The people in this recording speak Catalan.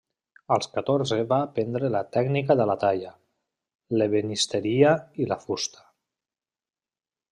Als catorze va aprendre la tècnica de la talla, l'ebenisteria i la fusta.